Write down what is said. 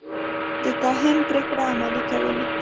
د کاهن پرېکړې عملي کولې.